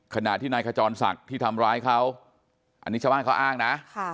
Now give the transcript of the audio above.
ขณะที่นายขจรศักดิ์ที่ทำร้ายเขาอันนี้ชาวบ้านเขาอ้างนะ